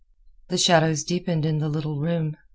The shadows deepened in the little room.